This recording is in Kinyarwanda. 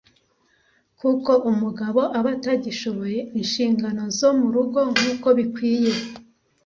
kuko umugabo aba atagishoboye inshingano zo mu rugo nkuko bikwiye